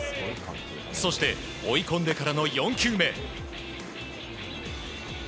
そして、追い込んでからの４球目。